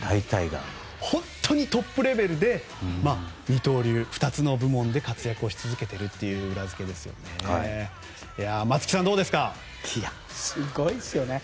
本当にトップレベルで二刀流、２つの部門で活躍し続けている裏付けですね。